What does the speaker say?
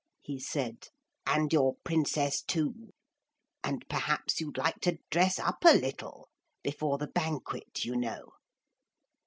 he said, 'and your Princess too. And perhaps you'd like to dress up a little? Before the banquet, you know.'